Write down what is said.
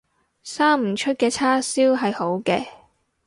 生唔出嘅叉燒係好嘅